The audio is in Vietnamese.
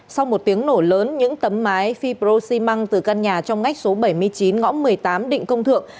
sau một tiếng nổ lớn những tấm mái fibrosi măng từ căn nhà trong ngách số bảy mươi chín ngõ một mươi tám định công thượng